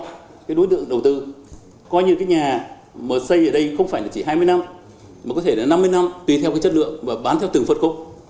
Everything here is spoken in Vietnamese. cái đối tượng đầu tư coi như cái nhà mà xây ở đây không phải là chỉ hai mươi năm mà có thể là năm mươi năm tùy theo cái chất lượng và bán theo từng phân khúc